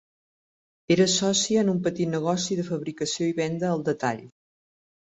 Era sòcia en un petit negoci de fabricació i venda al detall.